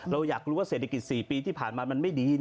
เราอยากรู้ว่าเศรษฐกิจ๔ปีที่ผ่านมามันไม่ดี